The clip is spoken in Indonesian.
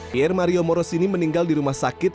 pierre mario morosini meninggal di rumah sakit